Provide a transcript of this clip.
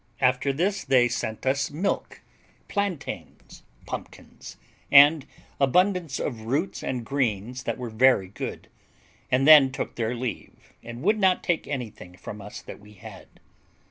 After this they sent us milk, plantains, pumpkins, and abundance of roots and greens that were very good, and then took their leave, and would not take anything from us that we had.